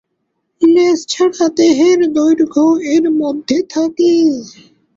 লেজ ছাড়া দেহের দৈর্ঘ্য এর মধ্যে থাকে।